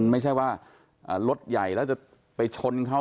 ไม่ใช่ว่ารถใหญ่แล้วจะไปชนเขา